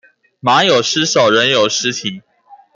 馬有失手，人有失蹄